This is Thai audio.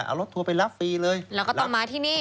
เอารถทัวร์ไปรับฟรีเลยแล้วก็ต้องมาที่นี่